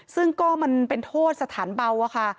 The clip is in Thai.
ซึ่งก็มันเป็นโทษสถานเบาอะค่ะ